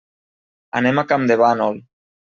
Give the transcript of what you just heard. Anem a Campdevànol.